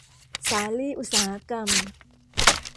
สาลี่อุตสาหกรรม